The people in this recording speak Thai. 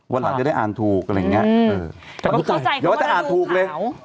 วันหลังจะได้อ่านถูกอะไรอย่างเงี้ยเดี๋ยวว่าจะอ่านถูกเลย